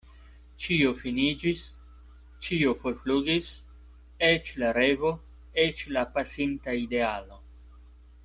Ĉio finiĝis, ĉio forflugis, eĉ la revo, eĉ la pasinta idealo.